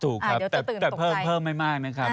ถูกครับแต่เพิ่มไม่มากนะครับ